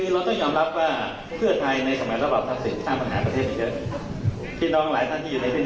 แต่ก็รักเทกเจ้าราเก้